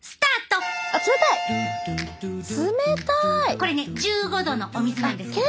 これね１５度のお水なんですけど。